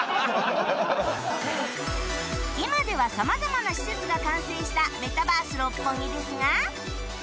今では様々な施設が完成したメタバース六本木ですが